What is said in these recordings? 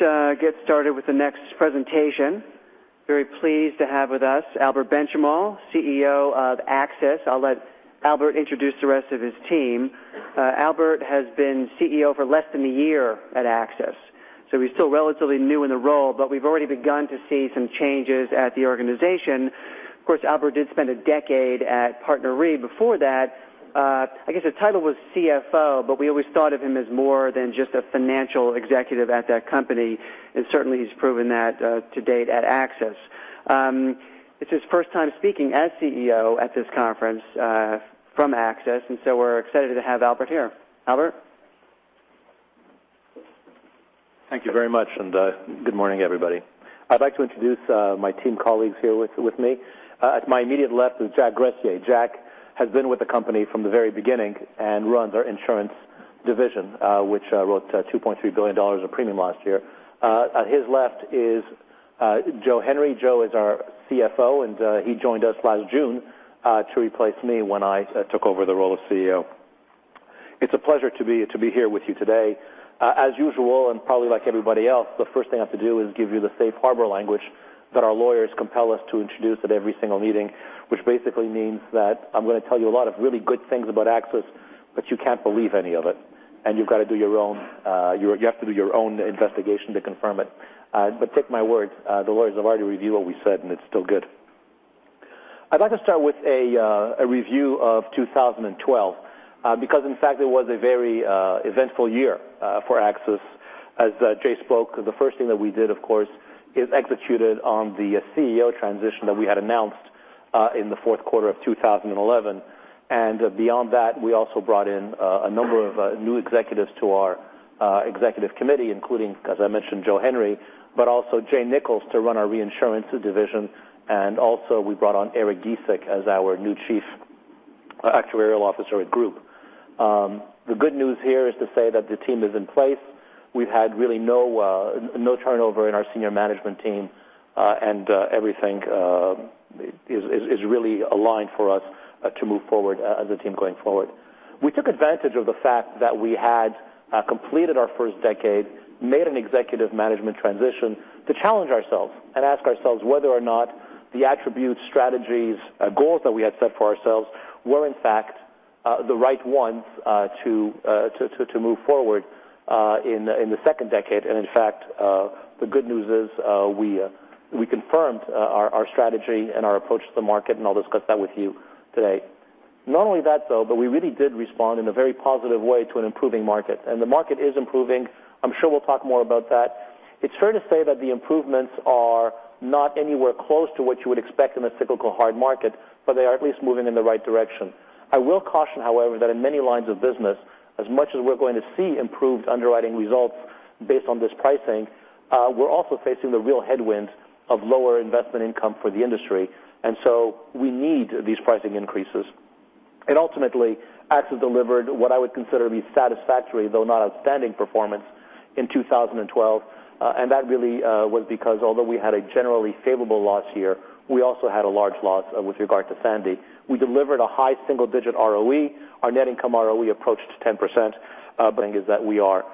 Let's get started with the next presentation. Very pleased to have with us Albert Benchimol, CEO of AXIS. I'll let Albert introduce the rest of his team. Albert has been CEO for less than a year at AXIS, so he's still relatively new in the role, but we've already begun to see some changes at the organization. Of course, Albert did spend a decade at PartnerRe before that. I guess the title was CFO, but we always thought of him as more than just a financial executive at that company, and certainly he's proven that to date at AXIS. It's his first time speaking as CEO at this conference from AXIS. We're excited to have Albert here. Albert? Thank you very much. Good morning, everybody. I'd like to introduce my team colleagues here with me. At my immediate left is Jack Greschi. Jack has been with the company from the very beginning and runs our insurance division, which wrote $2.3 billion of premium last year. At his left is Joe Henry. Joe is our CFO. He joined us last June to replace me when I took over the role of CEO. It's a pleasure to be here with you today. As usual, probably like everybody else, the first thing I have to do is give you the safe harbor language that our lawyers compel us to introduce at every single meeting, which basically means that I'm going to tell you a lot of really good things about AXIS. You can't believe any of it. You have to do your own investigation to confirm it. Take my word, the lawyers have already reviewed what we said. It's still good. I'd like to start with a review of 2012 because, in fact, it was a very eventful year for AXIS. As Jay spoke, the first thing that we did, of course, is executed on the CEO transition that we had announced in the fourth quarter of 2011. Beyond that, we also brought in a number of new executives to our executive committee, including, as I mentioned, Joe Henry. We also brought Jay Nichols to run our reinsurance division. We also brought on Eric Gesick as our new Chief Actuarial Officer of group. The good news here is to say that the team is in place. We've had really no turnover in our senior management team. Everything is really aligned for us to move forward as a team going forward. We took advantage of the fact that we had completed our first decade, made an executive management transition to challenge ourselves and ask ourselves whether or not the attributes, strategies, goals that we had set for ourselves were in fact the right ones to move forward in the second decade. In fact, the good news is we confirmed our strategy and our approach to the market, and I'll discuss that with you today. We really did respond in a very positive way to an improving market, and the market is improving. I'm sure we'll talk more about that. It's fair to say that the improvements are not anywhere close to what you would expect in a cyclical hard market, but they are at least moving in the right direction. I will caution, however, that in many lines of business, as much as we're going to see improved underwriting results based on this pricing, we're also facing the real headwind of lower investment income for the industry. We need these pricing increases. Ultimately, AXIS delivered what I would consider to be satisfactory, though not outstanding performance in 2012. That really was because although we had a generally favorable loss year, we also had a large loss with regard to Sandy. We delivered a high single-digit ROE. Our net income ROE approached 10%. The thing is that we are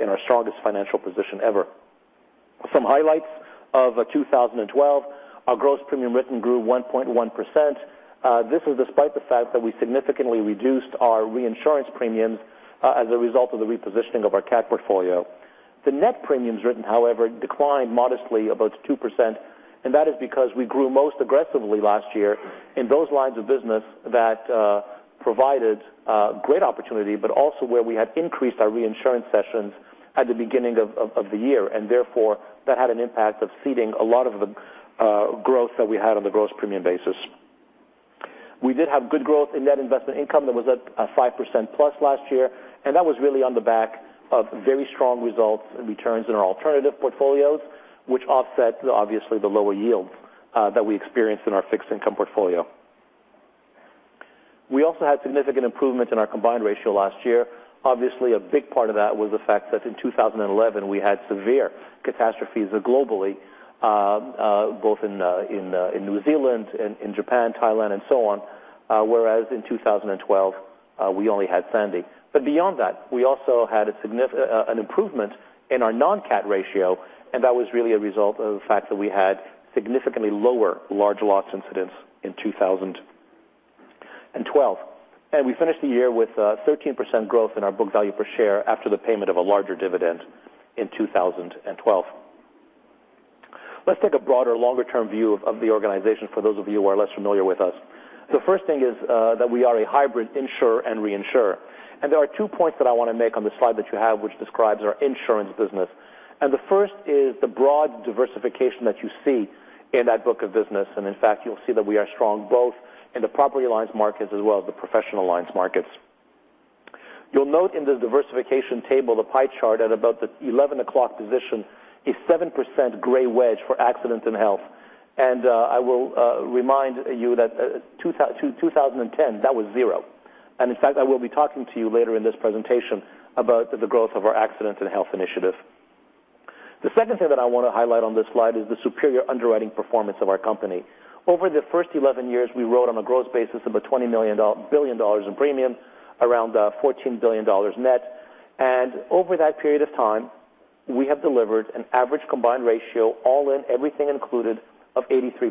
in our strongest financial position ever. Some highlights of 2012, our gross premium written grew 1.1%. This is despite the fact that we significantly reduced our reinsurance premiums as a result of the repositioning of our CAT portfolio. The net premiums written, however, declined modestly, about 2%. We grew most aggressively last year in those lines of business that provided great opportunity, but also where we had increased our reinsurance sessions at the beginning of the year. Therefore, that had an impact of ceding a lot of the growth that we had on the gross premium basis. We did have good growth in net investment income that was at 5% plus last year. That was really on the back of very strong results and returns in our alternative portfolios, which offset obviously the lower yields that we experienced in our fixed income portfolio. We also had significant improvements in our combined ratio last year. Obviously, a big part of that was the fact that in 2011, we had severe catastrophes globally, both in New Zealand and in Japan, Thailand, and so on, whereas in 2012, we only had Sandy. Beyond that, we also had an improvement in our non-CAT ratio. That was really a result of the fact that we had significantly lower large loss incidents in 2012. We finished the year with a 13% growth in our book value per share after the payment of a larger dividend in 2012. Let's take a broader, longer-term view of the organization for those of you who are less familiar with us. The first thing is that we are a hybrid insurer and reinsurer. There are two points that I want to make on the slide that you have which describes our insurance business. The first is the broad diversification that you see in that book of business. In fact, you'll see that we are strong both in the property lines markets as well as the professional lines markets. You'll note in the diversification table, the pie chart at about the 11 o'clock position is 7% gray wedge for accidents and health. I will remind you that 2010, that was zero. In fact, I will be talking to you later in this presentation about the growth of our accidents and health initiative. The second thing that I want to highlight on this slide is the superior underwriting performance of our company. Over the first 11 years, we wrote on a gross basis of $20 billion in premium, around $14 billion net. Over that period of time, we have delivered an average combined ratio all in, everything included, of 83%,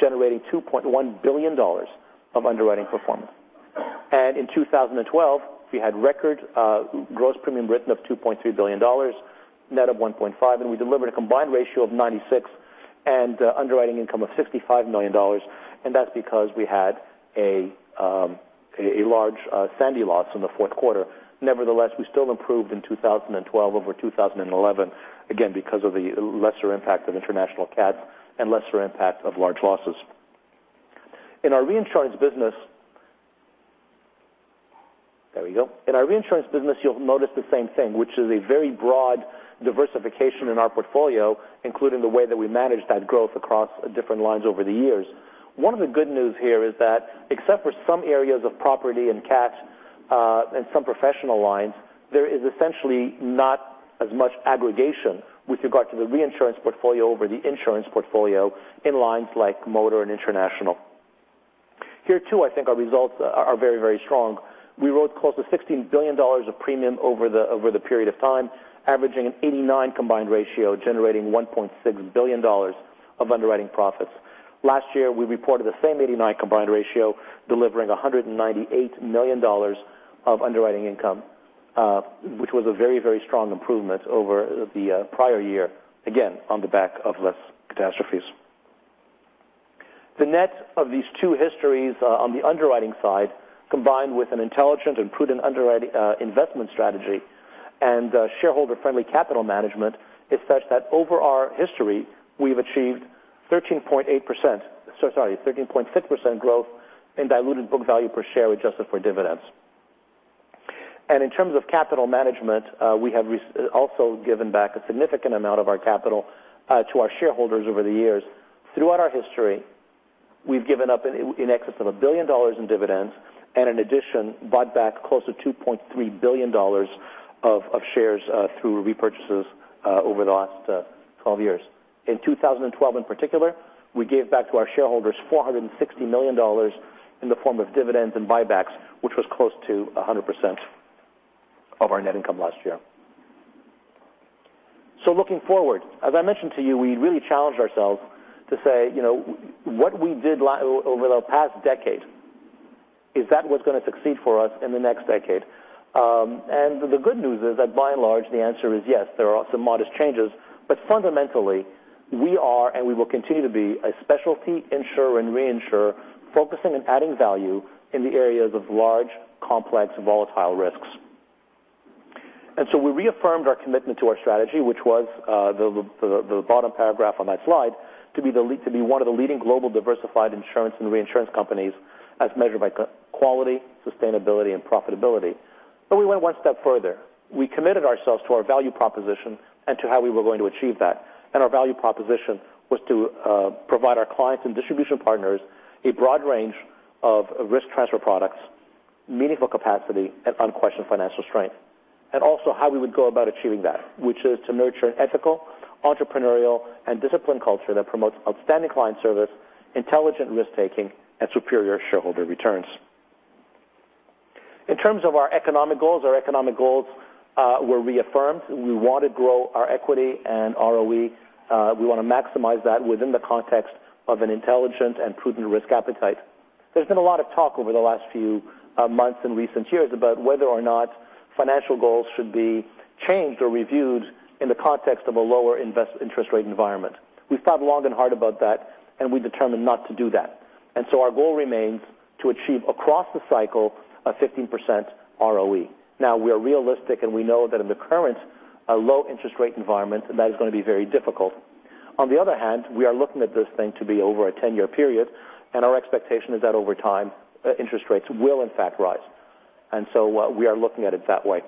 generating $2.1 billion of underwriting performance. In 2012, we had record gross premium written of $2.3 billion, net of $1.5 billion, and we delivered a combined ratio of 96% and underwriting income of $65 million, and that's because we had a large Sandy loss in the fourth quarter. Nevertheless, we still improved in 2012 over 2011, again, because of the lesser impact of international CATs and lesser impact of large losses. In our reinsurance business you'll notice the same thing, which is a very broad diversification in our portfolio, including the way that we managed that growth across different lines over the years. One of the good news here is that except for some areas of property and CAT and some professional lines, there is essentially not as much aggregation with regard to the reinsurance portfolio over the insurance portfolio in lines like motor and international. Here too, I think our results are very strong. We wrote close to $16 billion of premium over the period of time, averaging an 89% combined ratio, generating $1.6 billion of underwriting profits. Last year, we reported the same 89% combined ratio, delivering $198 million of underwriting income, which was a very strong improvement over the prior year, again, on the back of less catastrophes. The net of these two histories on the underwriting side, combined with an intelligent and prudent underwriting investment strategy and shareholder-friendly capital management is such that over our history we've achieved 13.6% growth in diluted book value per share adjusted for dividends. In terms of capital management, we have also given back a significant amount of our capital to our shareholders over the years. Throughout our history, we've given up in excess of $1 billion in dividends, and in addition, bought back close to $2.3 billion of shares through repurchases over the last 12 years. In 2012, in particular, we gave back to our shareholders $460 million in the form of dividends and buybacks, which was close to 100% of our net income last year. Looking forward, as I mentioned to you, we really challenged ourselves to say, what we did over the past decade, is that what's going to succeed for us in the next decade? The good news is that by and large, the answer is yes. There are some modest changes, but fundamentally we are, and we will continue to be a specialty insurer and reinsurer focusing on adding value in the areas of large, complex volatile risks. We reaffirmed our commitment to our strategy, which was the bottom paragraph on that slide to be one of the leading global diversified insurance and reinsurance companies as measured by quality, sustainability, and profitability. We went one step further. We committed ourselves to our value proposition and to how we were going to achieve that. Our value proposition was to provide our clients and distribution partners a broad range of risk transfer products, meaningful capacity, and unquestioned financial strength. Also how we would go about achieving that, which is to nurture an ethical, entrepreneurial, and disciplined culture that promotes outstanding client service, intelligent risk-taking, and superior shareholder returns. In terms of our economic goals, our economic goals were reaffirmed. We want to grow our equity and ROE. We want to maximize that within the context of an intelligent and prudent risk appetite. There's been a lot of talk over the last few months in recent years about whether or not financial goals should be changed or reviewed in the context of a lower interest rate environment. We thought long and hard about that. We determined not to do that. Our goal remains to achieve across the cycle a 15% ROE. We are realistic and we know that in the current low interest rate environment that is going to be very difficult. On the other hand, we are looking at this thing to be over a 10-year period. Our expectation is that over time interest rates will in fact rise. We are looking at it that way.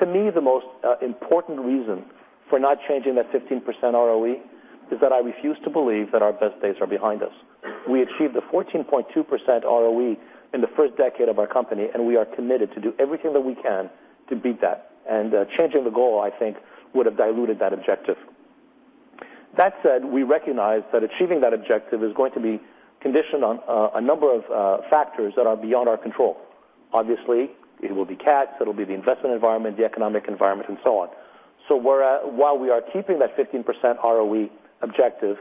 To me, the most important reason for not changing that 15% ROE is that I refuse to believe that our best days are behind us. We achieved a 14.2% ROE in the first decade of our company. We are committed to do everything that we can to beat that. Changing the goal, I think would have diluted that objective. That said, we recognize that achieving that objective is going to be conditioned on a number of factors that are beyond our control. It will be CAT, it'll be the investment environment, the economic environment, and so on. While we are keeping that 15% ROE objective,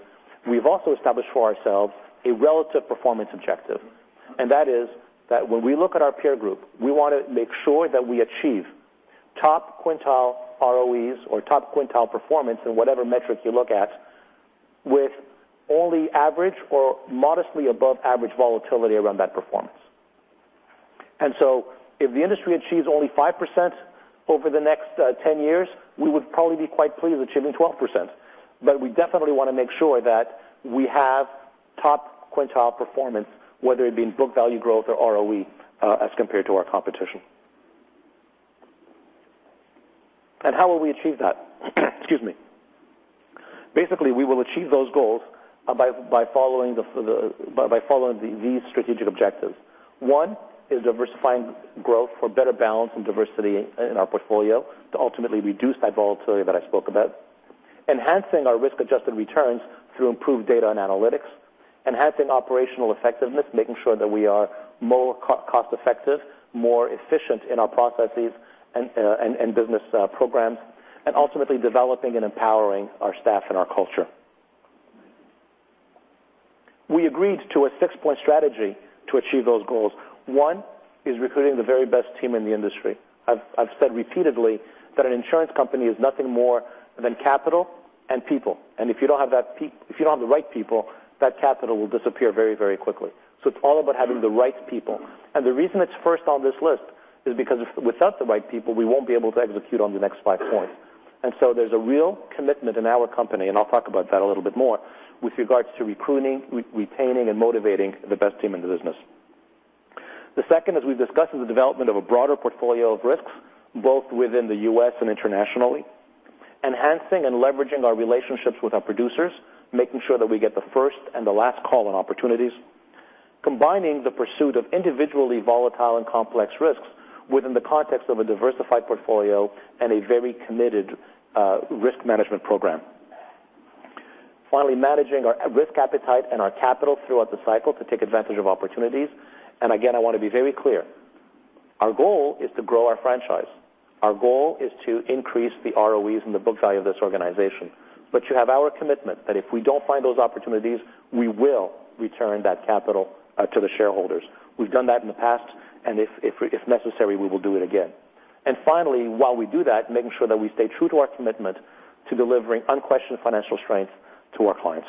we've also established for ourselves a relative performance objective. That is that when we look at our peer group, we want to make sure that we achieve top quintile ROEs or top quintile performance in whatever metric you look at with only average or modestly above average volatility around that performance. If the industry achieves only 5% over the next 10 years, we would probably be quite pleased achieving 12%. We definitely want to make sure that we have top quintile performance, whether it be in book value growth or ROE as compared to our competition. How will we achieve that? Excuse me. We will achieve those goals by following these strategic objectives. One is diversifying growth for better balance and diversity in our portfolio to ultimately reduce that volatility that I spoke about. Enhancing our risk-adjusted returns through improved data and analytics, enhancing operational effectiveness, making sure that we are more cost-effective, more efficient in our processes and business programs, and ultimately developing and empowering our staff and our culture. We agreed to a six-point strategy to achieve those goals. One is recruiting the very best team in the industry. I've said repeatedly that an insurance company is nothing more than capital and people. If you don't have the right people, that capital will disappear very quickly. It's all about having the right people. The reason it's first on this list is because without the right people, we won't be able to execute on the next five points. There's a real commitment in our company, and I'll talk about that a little bit more, with regards to recruiting, retaining, and motivating the best team in the business. The second, as we've discussed, is the development of a broader portfolio of risks, both within the U.S. and internationally. Enhancing and leveraging our relationships with our producers, making sure that we get the first and the last call on opportunities. Combining the pursuit of individually volatile and complex risks within the context of a diversified portfolio and a very committed risk management program. Finally, managing our risk appetite and our capital throughout the cycle to take advantage of opportunities. Again, I want to be very clear. Our goal is to grow our franchise. Our goal is to increase the ROEs and the book value of this organization. You have our commitment that if we don't find those opportunities, we will return that capital to the shareholders. We've done that in the past, and if necessary, we will do it again. Finally, while we do that, making sure that we stay true to our commitment to delivering unquestioned financial strength to our clients.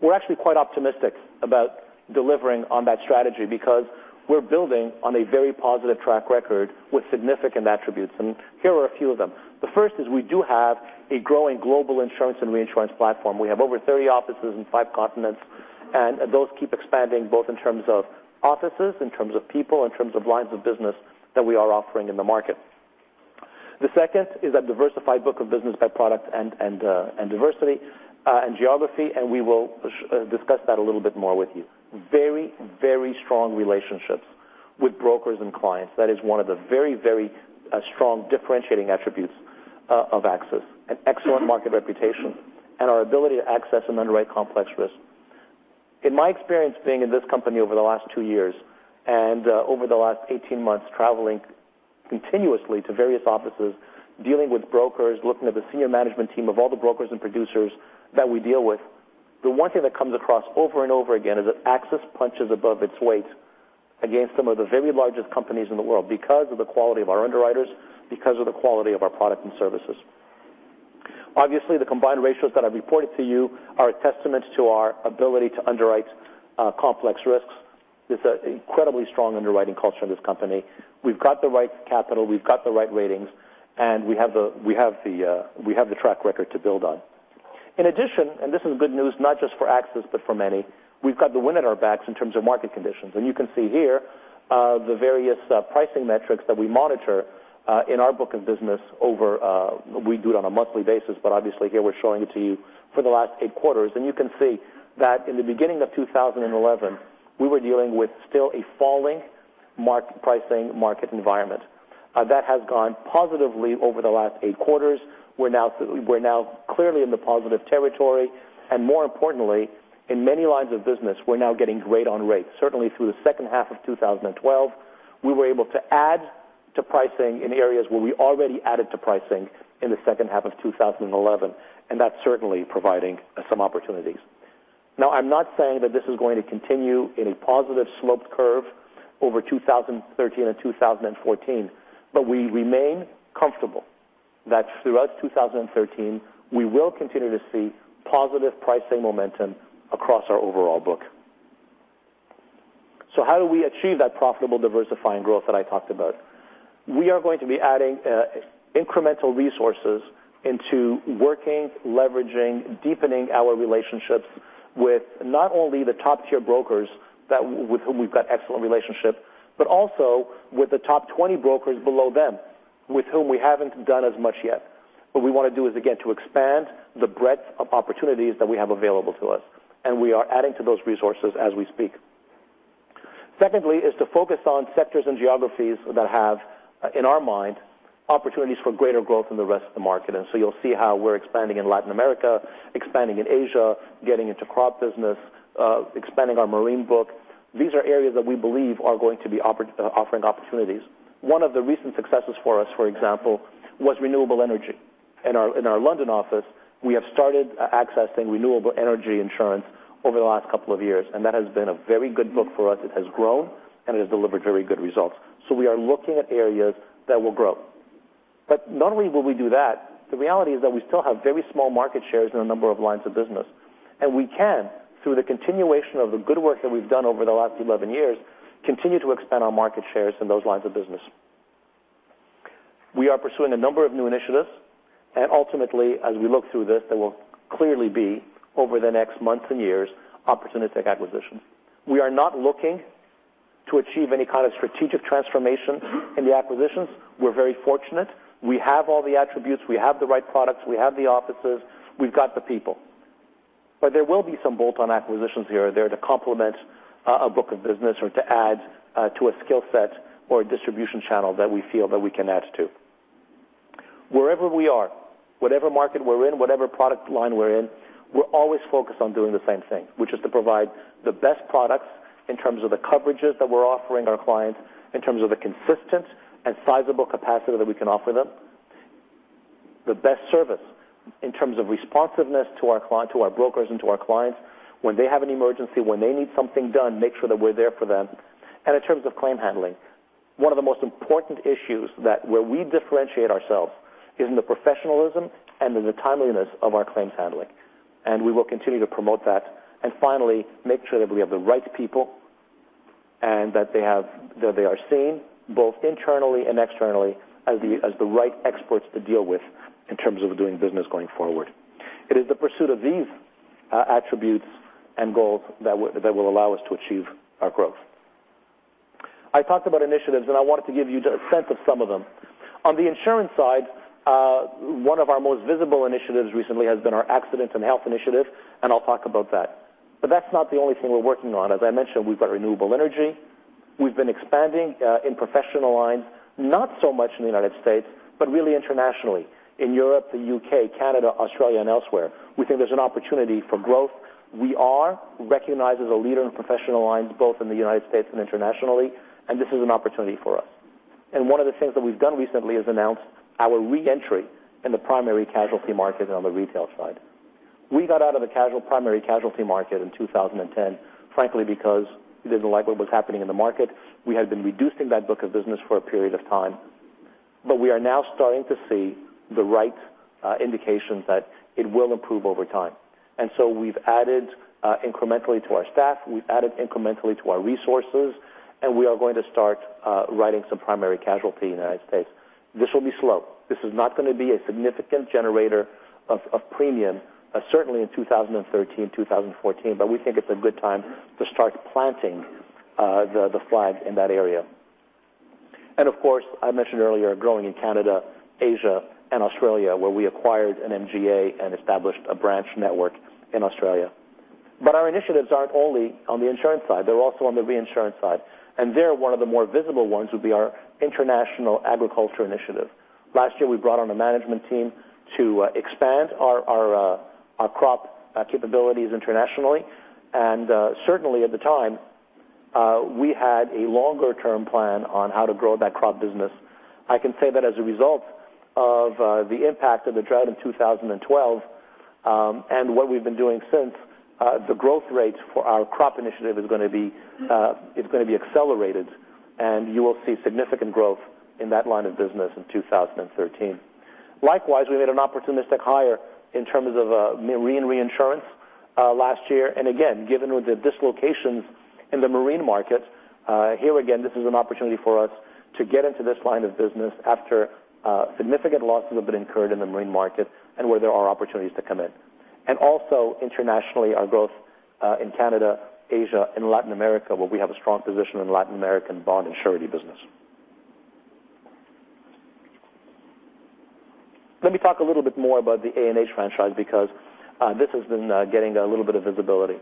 We're actually quite optimistic about delivering on that strategy because we're building on a very positive track record with significant attributes, and here are a few of them. The first is we do have a growing global insurance and reinsurance platform. We have over 30 offices in five continents, and those keep expanding, both in terms of offices, in terms of people, in terms of lines of business that we are offering in the market. The second is a diversified book of business by product and diversity and geography, we will discuss that a little bit more with you. Very strong relationships with brokers and clients. That is one of the very strong differentiating attributes of AXIS. An excellent market reputation, and our ability to access and underwrite complex risk. In my experience being in this company over the last two years and over the last 18 months, traveling continuously to various offices, dealing with brokers, looking at the senior management team of all the brokers and producers that we deal with, the one thing that comes across over and over again is that AXIS punches above its weight against some of the very largest companies in the world because of the quality of our underwriters, because of the quality of our product and services. Obviously, the combined ratios that I've reported to you are a testament to our ability to underwrite complex risks. There's an incredibly strong underwriting culture in this company. We've got the right capital, we've got the right ratings, and we have the track record to build on. In addition, this is good news not just for AXIS, but for many, we've got the wind at our backs in terms of market conditions. You can see here the various pricing metrics that we monitor in our book of business over, we do it on a monthly basis, but obviously here we're showing it to you for the last eight quarters. You can see that in the beginning of 2011, we were dealing with still a falling pricing market environment. That has gone positively over the last eight quarters. We're now clearly in the positive territory. More importantly, in many lines of business, we're now getting rate on rates. Certainly through the second half of 2012, we were able to add to pricing in areas where we already added to pricing in the second half of 2011, and that's certainly providing some opportunities. I'm not saying that this is going to continue in a positive sloped curve over 2013 and 2014, but we remain comfortable that throughout 2013, we will continue to see positive pricing momentum across our overall book. How do we achieve that profitable diversifying growth that I talked about? We are going to be adding incremental resources into working, leveraging, deepening our relationships with not only the top-tier brokers with whom we've got excellent relationships, but also with the top 20 brokers below them with whom we haven't done as much yet. What we want to do is, again, to expand the breadth of opportunities that we have available to us. We are adding to those resources as we speak. Secondly is to focus on sectors and geographies that have, in our mind, opportunities for greater growth than the rest of the market. You'll see how we're expanding in Latin America, expanding in Asia, getting into crop business, expanding our marine book. These are areas that we believe are going to be offering opportunities. One of the recent successes for us, for example, was renewable energy. In our London office, we have started accessing renewable energy insurance over the last couple of years, and that has been a very good book for us. It has grown, and it has delivered very good results. We are looking at areas that will grow. Not only will we do that, the reality is that we still have very small market shares in a number of lines of business. We can, through the continuation of the good work that we've done over the last 11 years, continue to expand our market shares in those lines of business. We are pursuing a number of new initiatives. Ultimately, as we look through this, there will clearly be, over the next months and years, opportunistic acquisitions. We are not looking to achieve any kind of strategic transformation in the acquisitions. We're very fortunate. We have all the attributes. We have the right products. We have the offices. We've got the people. There will be some bolt-on acquisitions here or there to complement a book of business or to add to a skill set or a distribution channel that we feel that we can add to. Wherever we are, whatever market we're in, whatever product line we're in, we're always focused on doing the same thing, which is to provide the best products in terms of the coverages that we're offering our clients, in terms of the consistent and sizable capacity that we can offer them. The best service in terms of responsiveness to our brokers and to our clients when they have an emergency, when they need something done, make sure that we're there for them. In terms of claim handling, one of the most important issues where we differentiate ourselves is in the professionalism and in the timeliness of our claims handling, and we will continue to promote that. Finally, make sure that we have the right people and that they are seen both internally and externally as the right experts to deal with in terms of doing business going forward. It is the pursuit of these attributes and goals that will allow us to achieve our growth. I talked about initiatives, and I wanted to give you the sense of some of them. On the insurance side, one of our most visible initiatives recently has been our accident and health initiative, and I'll talk about that. That's not the only thing we're working on. As I mentioned, we've got renewable energy. We've been expanding in professional lines, not so much in the U.S., but really internationally, in Europe, the U.K., Canada, Australia, and elsewhere. We think there's an opportunity for growth. We are recognized as a leader in professional lines both in the U.S. and internationally, and this is an opportunity for us. One of the things that we've done recently is announce our re-entry in the primary casualty market on the retail side. We got out of the primary casualty market in 2010, frankly, because we didn't like what was happening in the market. We had been reducing that book of business for a period of time. We are now starting to see the right indications that it will improve over time. We've added incrementally to our staff, we've added incrementally to our resources, and we are going to start writing some primary casualty in the U.S. This will be slow. This is not going to be a significant generator of premium, certainly in 2013, 2014, but we think it's a good time to start planting the flag in that area. Of course, I mentioned earlier growing in Canada, Asia, and Australia, where we acquired an MGA and established a branch network in Australia. Our initiatives aren't only on the insurance side, they're also on the reinsurance side. There, one of the more visible ones would be our international agriculture initiative. Last year, we brought on a management team to expand our crop capabilities internationally. Certainly at the time, we had a longer-term plan on how to grow that crop business. I can say that as a result of the impact of the drought in 2012, and what we've been doing since, the growth rates for our crop initiative is going to be accelerated, and you will see significant growth in that line of business in 2013. Likewise, we made an opportunistic hire in terms of marine reinsurance last year. Again, given the dislocations in the marine market, here again, this is an opportunity for us to get into this line of business after significant losses have been incurred in the marine market, and where there are opportunities to come in. Also internationally, our growth in Canada, Asia, and Latin America, where we have a strong position in Latin American bond and surety business. Let me talk a little bit more about the A&H franchise because this has been getting a little bit of visibility.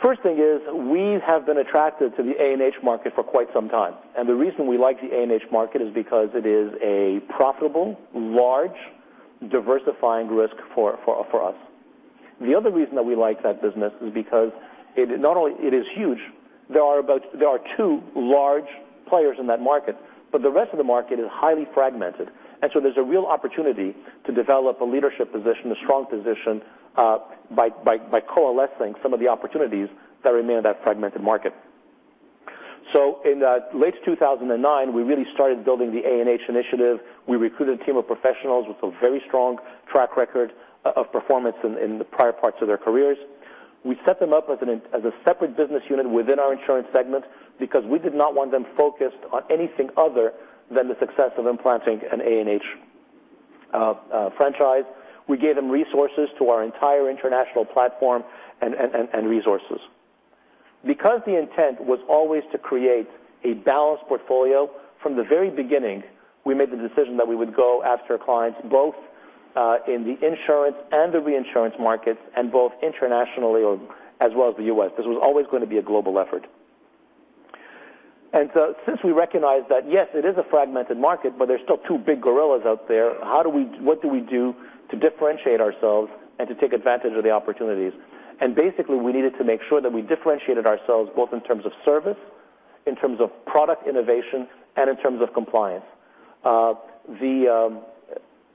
First thing is we have been attracted to the A&H market for quite some time, the reason we like the A&H market is because it is a profitable, large, diversifying risk for us. The other reason that we like that business is because not only it is huge, there are two large players in that market, but the rest of the market is highly fragmented. There's a real opportunity to develop a leadership position, a strong position by coalescing some of the opportunities that remain in that fragmented market. In late 2009, we really started building the A&H initiative. We recruited a team of professionals with a very strong track record of performance in the prior parts of their careers. We set them up as a separate business unit within our insurance segment because we did not want them focused on anything other than the success of implanting an A&H franchise. We gave them resources to our entire international platform and resources. Because the intent was always to create a balanced portfolio, from the very beginning, we made the decision that we would go after clients both in the insurance and the reinsurance markets, and both internationally as well as the U.S. This was always going to be a global effort. Since we recognized that, yes, it is a fragmented market, but there's still two big gorillas out there, what do we do to differentiate ourselves and to take advantage of the opportunities? Basically, we needed to make sure that we differentiated ourselves both in terms of service, in terms of product innovation, and in terms of compliance. The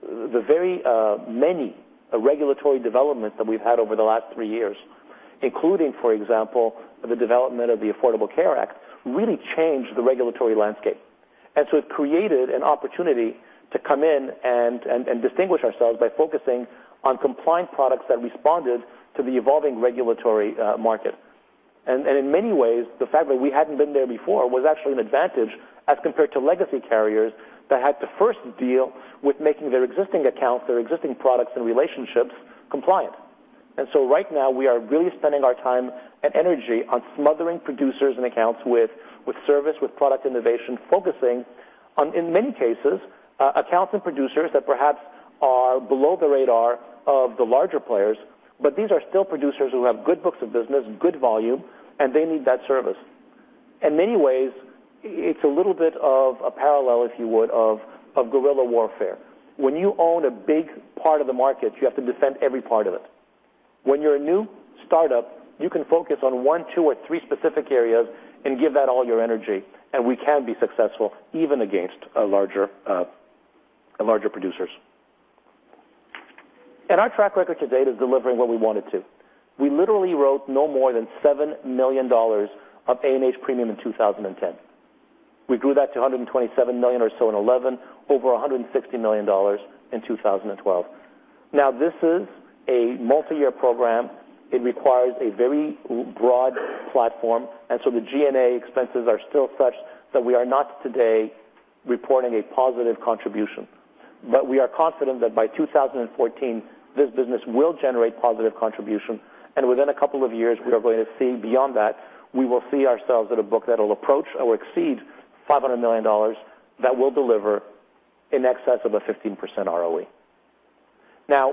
very many regulatory developments that we've had over the last three years, including, for example, the development of the Affordable Care Act, really changed the regulatory landscape. It created an opportunity to come in and distinguish ourselves by focusing on compliant products that responded to the evolving regulatory market. In many ways, the fact that we hadn't been there before was actually an advantage as compared to legacy carriers that had to first deal with making their existing accounts, their existing products and relationships compliant. Right now, we are really spending our time and energy on smothering producers and accounts with service, with product innovation, focusing in many cases, accounts and producers that perhaps are below the radar of the larger players, but these are still producers who have good books of business, good volume, and they need that service. In many ways, it's a little bit of a parallel, if you would, of guerrilla warfare. When you own a big part of the market, you have to defend every part of it. When you're a new startup, you can focus on one, two, or three specific areas and give that all your energy, we can be successful even against larger producers. Our track record to date is delivering what we want it to. We literally wrote no more than $7 million of A&H premium in 2010. We grew that to $127 million or so in 2011, over $160 million in 2012. This is a multi-year program. It requires a very broad platform. The G&A expenses are still such that we are not today reporting a positive contribution. We are confident that by 2014, this business will generate positive contribution, and within a couple of years, we are going to see beyond that. We will see ourselves at a book that will approach or exceed $500 million that will deliver in excess of a 15% ROE.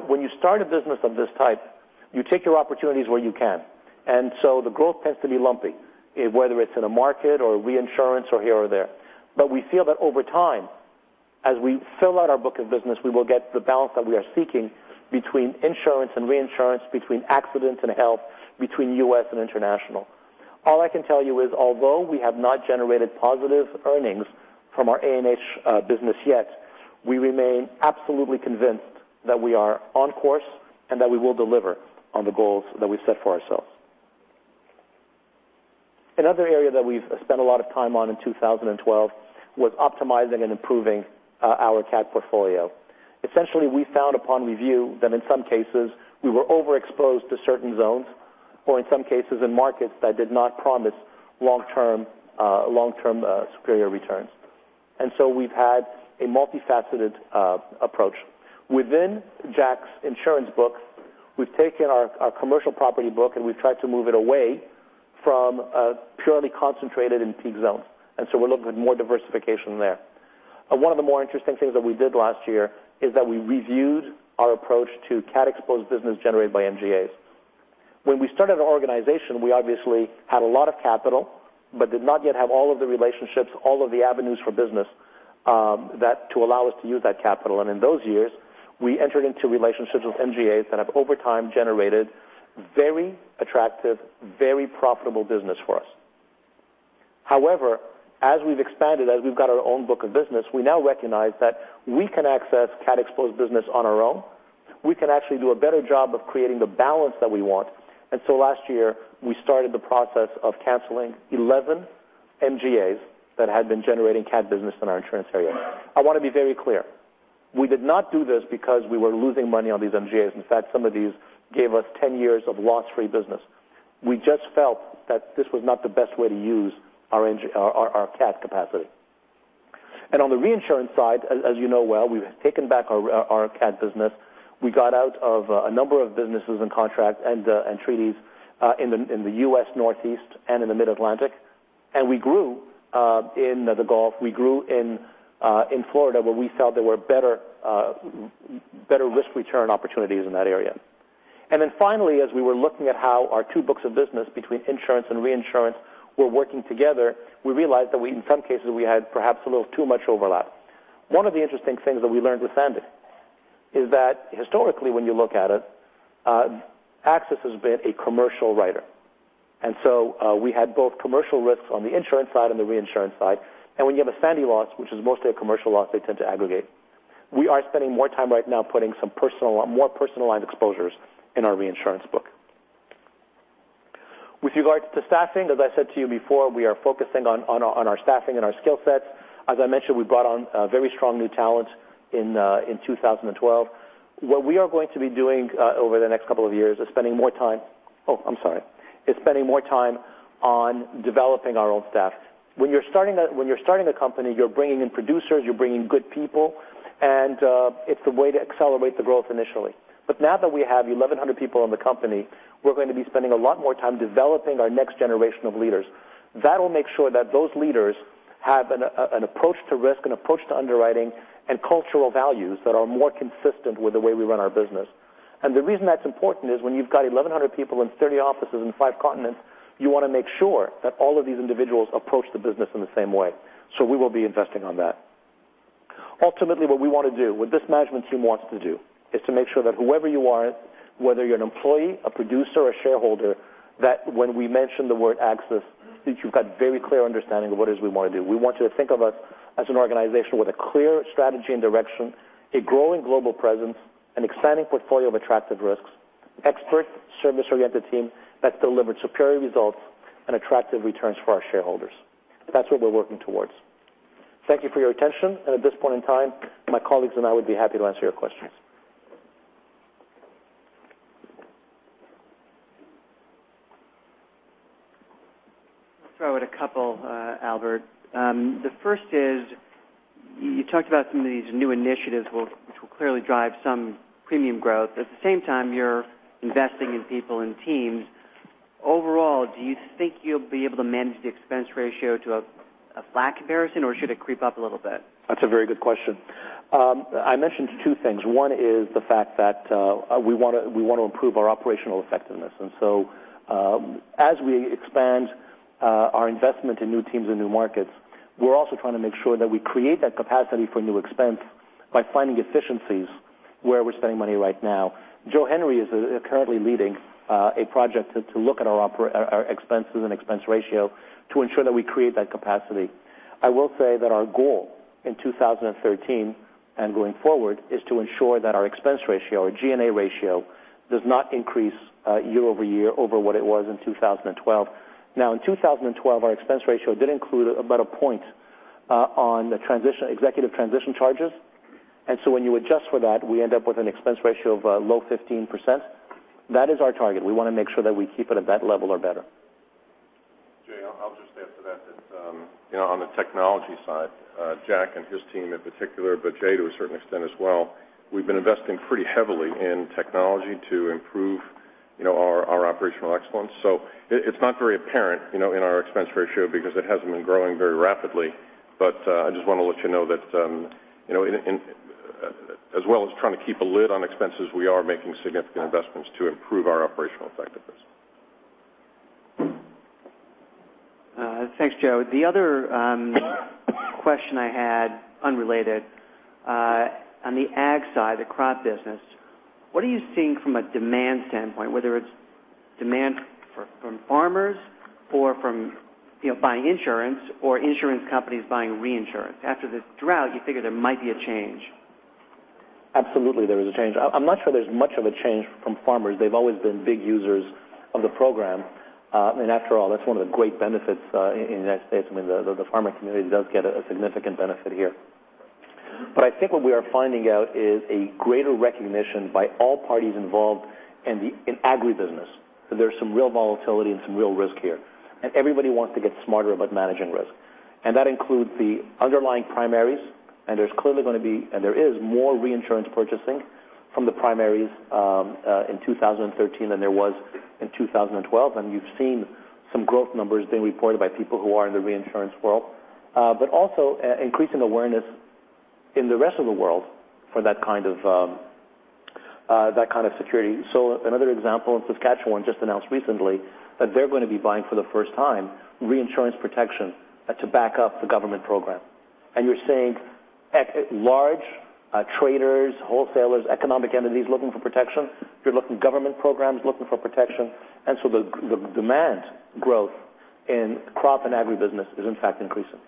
When you start a business of this type, you take your opportunities where you can. The growth tends to be lumpy, whether it's in a market or reinsurance or here or there. We feel that over time, as we fill out our book of business, we will get the balance that we are seeking between insurance and reinsurance, between accident and health, between U.S. and international. All I can tell you is although we have not generated positive earnings from our A&H business yet, we remain absolutely convinced that we are on course and that we will deliver on the goals that we've set for ourselves. Another area that we've spent a lot of time on in 2012 was optimizing and improving our cat portfolio. Essentially, we found upon review that in some cases, we were overexposed to certain zones, or in some cases, in markets that did not promise long-term superior returns. We've had a multifaceted approach. Within Jack's insurance book, we've taken our commercial property book, and we've tried to move it away from purely concentrated in peak zones. We're looking at more diversification there. One of the more interesting things that we did last year is that we reviewed our approach to cat-exposed business generated by MGAs. When we started our organization, we obviously had a lot of capital but did not yet have all of the relationships, all of the avenues for business to allow us to use that capital. In those years, we entered into relationships with MGAs that have over time generated very attractive, very profitable business for us. However, as we've expanded, as we've got our own book of business, we now recognize that we can access cat-exposed business on our own. We can actually do a better job of creating the balance that we want. Last year, we started the process of canceling 11 MGAs that had been generating cat business in our insurance area. I want to be very clear. We did not do this because we were losing money on these MGAs. In fact, some of these gave us 10 years of loss-free business. We just felt that this was not the best way to use our cat capacity. On the reinsurance side, as you know well, we've taken back our cat business. We got out of a number of businesses and contracts and treaties in the U.S. Northeast and in the Mid-Atlantic, and we grew in the Gulf. We grew in Florida where we felt there were better risk-return opportunities in that area. Finally, as we were looking at how our two books of business between insurance and reinsurance were working together, we realized that in some cases we had perhaps a little too much overlap. One of the interesting things that we learned with Sandy is that historically, when you look at it, AXIS has been a commercial writer. So we had both commercial risks on the insurance side and the reinsurance side. When you have a Sandy loss, which is mostly a commercial loss, they tend to aggregate. We are spending more time right now putting more personal line exposures in our reinsurance book. With regard to staffing, as I said to you before, we are focusing on our staffing and our skill sets. As I mentioned, we brought on very strong new talent in 2012. What we are going to be doing over the next couple of years is spending more time on developing our own staff. When you're starting a company, you're bringing in producers, you're bringing good people, and it's a way to accelerate the growth initially. But now that we have 1,100 people in the company, we're going to be spending a lot more time developing our next generation of leaders. That will make sure that those leaders have an approach to risk, an approach to underwriting, and cultural values that are more consistent with the way we run our business. The reason that's important is when you've got 1,100 people in 30 offices in five continents, you want to make sure that all of these individuals approach the business in the same way. We will be investing in that. Ultimately, what we want to do, what this management team wants to do is to make sure that whoever you are, whether you're an employee, a producer, or shareholder, that when we mention the word AXIS, that you've got a very clear understanding of what it is we want to do. We want you to think of us as an organization with a clear strategy and direction, a growing global presence, an expanding portfolio of attractive risks, expert service-oriented team that delivers superior results, and attractive returns for our shareholders. That's what we're working towards. Thank you for your attention. At this point in time, my colleagues and I would be happy to answer your questions. I'll throw out a couple, Albert. The first is you talked about some of these new initiatives which will clearly drive some premium growth. At the same time, you're investing in people and teams. Overall, do you think you'll be able to manage the expense ratio to a flat comparison, or should it creep up a little bit? That's a very good question. I mentioned two things. One is the fact that we want to improve our operational effectiveness. As we expand our investment in new teams and new markets, we're also trying to make sure that we create that capacity for new expense by finding efficiencies where we're spending money right now. Joseph Henry is currently leading a project to look at our expenses and expense ratio to ensure that we create that capacity. I will say that our goal in 2013 and going forward is to ensure that our expense ratio, our G&A ratio, does not increase year-over-year over what it was in 2012. Now, in 2012, our expense ratio did include about a point on the executive transition charges. When you adjust for that, we end up with an expense ratio of low 15%. That is our target. We want to make sure that we keep it at that level or better. Jay, I'll just add to that on the technology side, Jack and his team in particular, Jay to a certain extent as well, we've been investing pretty heavily in technology to improve our operational excellence. It's not very apparent in our expense ratio because it hasn't been growing very rapidly. I just want to let you know that as well as trying to keep a lid on expenses, we are making significant investments to improve our operational effectiveness. Thanks, Joe. The other question I had, unrelated. On the ag side, the crop business, what are you seeing from a demand standpoint, whether it's demand from farmers or from buying insurance or insurance companies buying reinsurance? After this drought, you figure there might be a change. Absolutely, there is a change. I'm not sure there's much of a change from farmers. They've always been big users of the program. After all, that's one of the great benefits in the U.S. I mean, the farmer community does get a significant benefit here. I think what we are finding out is a greater recognition by all parties involved in agri-business that there's some real volatility and some real risk here, and everybody wants to get smarter about managing risk. That includes the underlying primaries, and there's clearly going to be, and there is more reinsurance purchasing from the primaries in 2013 than there was in 2012, and you've seen some growth numbers being reported by people who are in the reinsurance world. Also increasing awareness in the rest of the world for that kind of security. Another example, Saskatchewan just announced recently that they're going to be buying for the first time reinsurance protection to back up the government program. You're seeing large traders, wholesalers, economic entities looking for protection. You're looking government programs looking for protection. The demand growth in crop and agri-business is in fact increasing.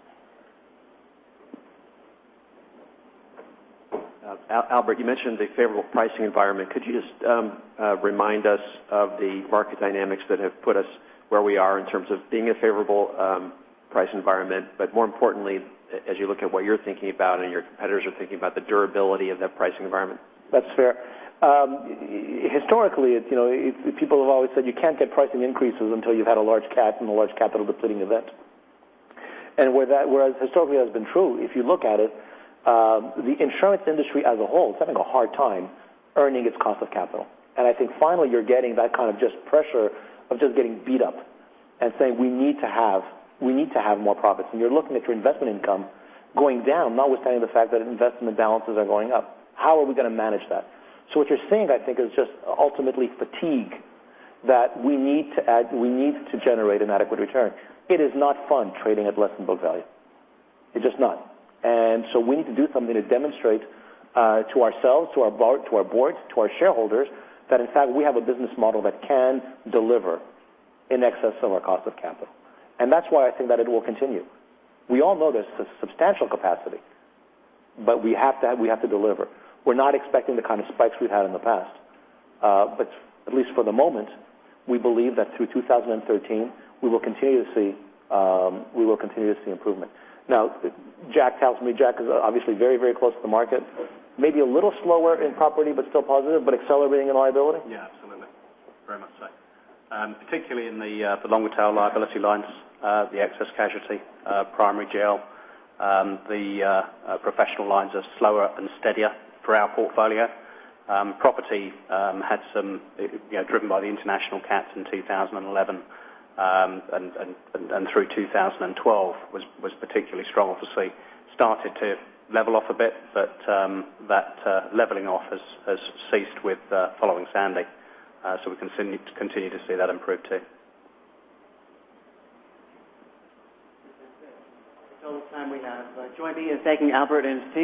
Albert, you mentioned the favorable pricing environment. Could you just remind us of the market dynamics that have put us where we are in terms of being a favorable price environment, but more importantly, as you look at what you're thinking about and your competitors are thinking about the durability of that pricing environment? That's fair. Historically, people have always said you can't get pricing increases until you've had a large CAT and a large capital depleting event. Whereas historically that's been true, if you look at it, the insurance industry as a whole is having a hard time earning its cost of capital. I think finally you're getting that kind of just pressure of just getting beat up and saying, we need to have more profits. You're looking at your investment income going down, notwithstanding the fact that investment balances are going up. How are we going to manage that? What you're seeing, I think, is just ultimately fatigue that we need to generate an adequate return. It is not fun trading at less than book value. It's just not. We need to do something to demonstrate to ourselves, to our boards, to our shareholders, that in fact we have a business model that can deliver in excess of our cost of capital. That's why I think that it will continue. We all know there's a substantial capacity, but we have to deliver. We're not expecting the kind of spikes we've had in the past. At least for the moment, we believe that through 2013, we will continue to see improvement. Jack tells me Jack is obviously very close to the market, maybe a little slower in property, but still positive, but accelerating in liability? Absolutely. Very much so. Particularly in the longer tail liability lines the excess casualty primary GL. The professional lines are slower and steadier for our portfolio. Property had some driven by the international CATs in 2011, and through 2012 was particularly strong, obviously. Started to level off a bit, but that leveling off has ceased following Sandy. We continue to see that improve too. That's all the time we have. Join me in thanking Albert and his team.